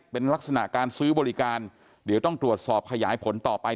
เป็นลักษณะการซื้อบริการเดี๋ยวต้องตรวจสอบขยายผลต่อไป